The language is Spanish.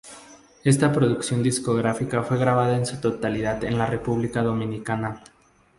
Esta producción discográfica fue grabada en su totalidad en la República Dominicana.